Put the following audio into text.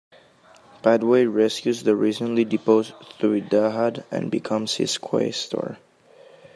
Padway rescues the recently deposed Thiudahad and becomes his quaestor.